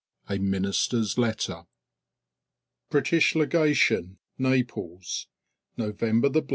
A MINISTER'S LETTER British Legation, Naples, Nov , 18